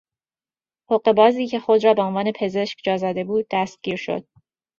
حقهبازی که خود را به عنوان پزشک جا زده بود دستگیر شد.